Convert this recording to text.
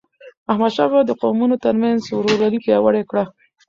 احمدشاه بابا د قومونو ترمنځ ورورولي پیاوړی کړه.